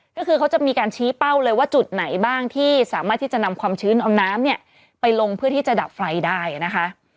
ก็คือเขาจะมีการชี้เป้าเลยว่าจุดไหนบ้างที่สามารถที่จะนำความชื้นเอาน้ำเนี่ยไปลงเพื่อที่จะดับไฟได้นะคะ